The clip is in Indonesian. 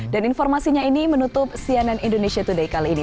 dan informasinya ini menutup cnn indonesia today kali ini